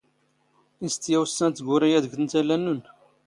ⵉⵙ ⵜⴻⵜⵜⵢⴰⵡⵙⵙⴰⵏ ⵜⴳⵓⵔⵉ ⴰⴷ ⴳ ⵜⵏⵜⴰⵍⴰ ⵏⵏⵓⵏ?